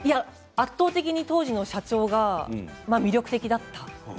圧倒的に当時の社長が魅力的だった。